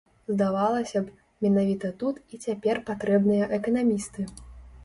Здавалася б, менавіта тут і цяпер патрэбныя эканамісты.